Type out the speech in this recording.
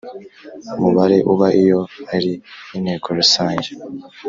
Mubare uba iyo ari inteko rusange